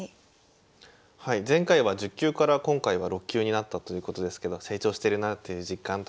前回は１０級から今回は６級になったということですけど成長してるなっていう実感とかどこかありますか？